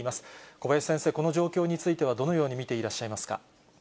小林先生、この状況についてはどのように見ていらっしゃいますか？